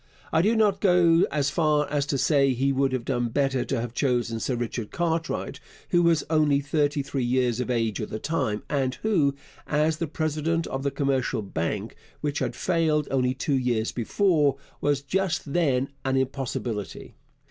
I do not go as far as to say he would have done better to have chosen Sir Richard Cartwright, who was only thirty three years of age at the time, and who, as the president of the Commercial Bank, which had failed only two years before, was just then an impossibility.